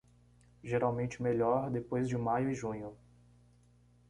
Geralmente melhor depois de maio e junho.